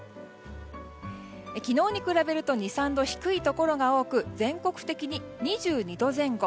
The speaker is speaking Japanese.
昨日に比べると２３度低いところが多く全国的に２２度前後。